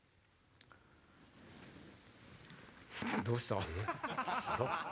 どうした？